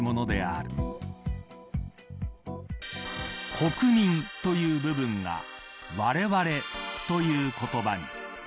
国民、という部分がわれわれという言葉に。